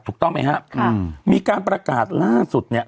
ถูกต้องไหมฮะค่ะมีการประกาศล่าสุดเนี่ย